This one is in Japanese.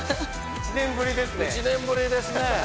１年ぶりですね。